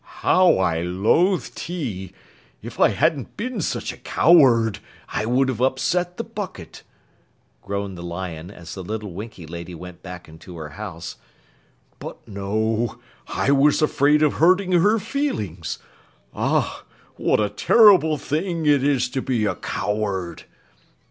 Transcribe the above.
"How I loathe tea! If I hadn't been such a coward, I'd have upset the bucket," groaned the lion as the little Winkie Lady went back into her house. "But no, I was afraid of hurting her feelings. Ugh, what a terrible thing it is to be a coward!"